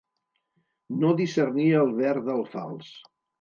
No discernir el ver del fals.